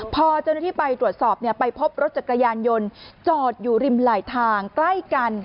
พอเจ้าหน้าที่ไปตรวจสอบไปพบรถจักรยานยนต์จอดอยู่ริมไหลทางใกล้กัน